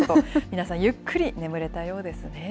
皆さん、ゆっくり眠れたようですね。